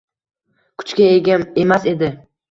kuchga ega emas edi.